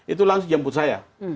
itu langsung jemput saya